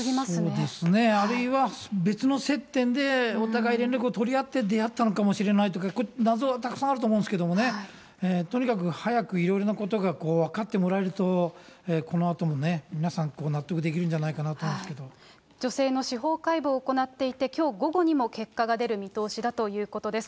そうですね、あるいは別の接点で、お互い連絡を取り合って出会ったのかもしれないとか、謎はたくさんあると思うんですけどね、とにかく早くいろいろなことが分かってもらえると、このあともね、皆さん納得できるんじゃないかと思女性の司法解剖を行っていて、きょう午後にも結果が出る見通しだということです。